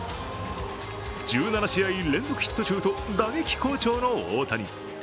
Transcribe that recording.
１７試合連続ヒット中と打撃好調の大谷。